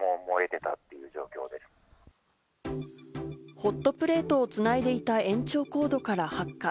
ホットプレートをつないでいた延長コードから発火。